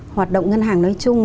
hoạt động ngân hàng nói chung